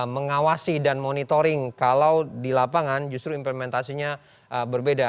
mengawasi dan monitoring kalau di lapangan justru implementasinya berbeda